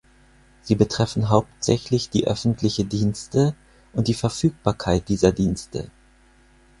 Sie betreffen hauptsächlich die öffentliche Dienste und die Verfügbarkeit dieser Dienste.